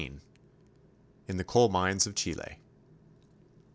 IN THE COAL MINES OF CHILE.